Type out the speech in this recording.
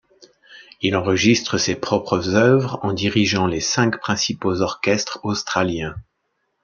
Il enregistre ses propres œuvres en dirigeant les cinq principaux orchestres australiens.